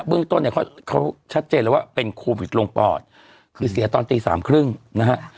เรื่องต้นเนี่ยเขาชัดเจนแล้วว่าเป็นโควิดลงปอดคือเสียตอนตีสามครึ่งนะฮะ